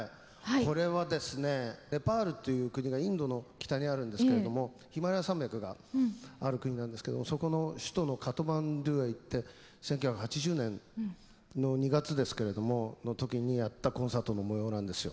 これはですねネパールという国がインドの北にあるんですけれどもヒマラヤ山脈がある国なんですけどそこの首都のカトマンズへ行って１９８０年の２月ですけれどもの時にやったコンサートの模様なんですよ。